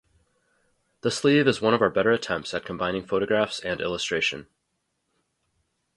The sleeve is one of our better attempts at combining photographs and illustration.